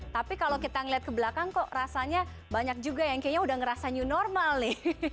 tapi kalau kita ngeliat ke belakang kok rasanya banyak juga yang kayaknya udah ngerasa new normal nih